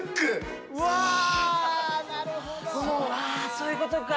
うわそういうことか！